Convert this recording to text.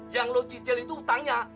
yang low cicil itu utangnya